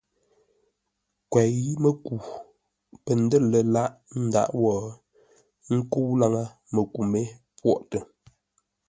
Kwěi-mə́ku pə̂ ndə̂r lə̂ lâʼ ndǎʼ wó, ə́ nkə́u láŋə́, məku mé pwôʼtə.